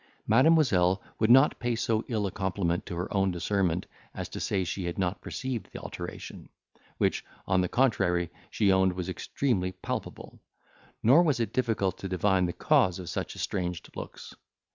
Mademoiselle would not pay so ill a compliment to her own discernment as to say she had not perceived the alteration; which, on the contrary, she owned was extremely palpable; nor was it difficult to divine the cause of such estranged looks.